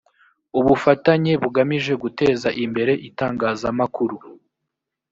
ubufatanye bugamije guteza imbere itangazamakuru